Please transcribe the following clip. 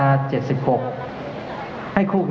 ที่สารมนตร์